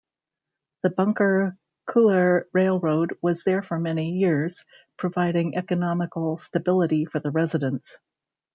The Bunker-Culler railroad was there for many years, providing economical stability for the residents.